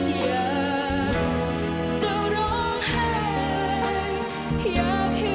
อยากจะร้องไห้